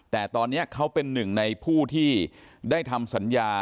แต่ตอนนี้เขาเป็นหนึ่งในผู้ที่ได้ทำสัญญา